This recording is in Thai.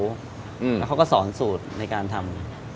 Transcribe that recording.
แล้วเขาก็สอนสูตรในการทำ